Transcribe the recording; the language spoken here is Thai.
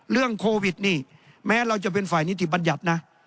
เรื่องโควิดนี่แม้เราจะเป็นฝ่ายนิติบัญญัตินะ